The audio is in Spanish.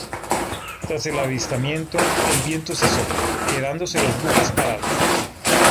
Tras el avistamiento, el viento cesó, quedándose los buques parados.